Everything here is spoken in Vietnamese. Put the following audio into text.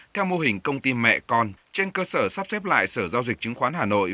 theo mô hình công ty mẹ con trên cơ sở sắp xếp lại sở giao dịch chứng khoán hà nội